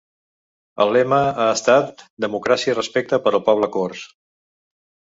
El lema ha estat ‘Democràcia i respecte per al poble cors’.